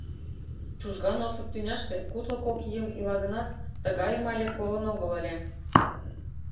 Чужган Осып тӱняште кудло кок ийым ила гынат, тыгайым але колын огыл ыле.